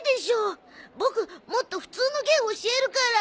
ボクもっと普通の芸教えるから。